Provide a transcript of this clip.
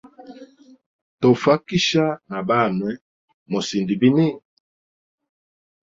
Tofakisha na banwe mosind bini?